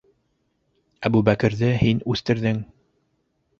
Әбүбәкерҙе һин үҫтерҙең.